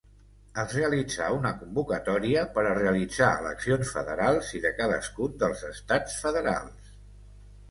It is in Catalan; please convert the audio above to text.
Es realitzà una convocatòria per a realitzar eleccions federals i de cadascun dels estats federals.